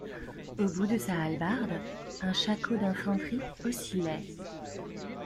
Au bout de sa hallebarde, un shako d'infanterie oscillait.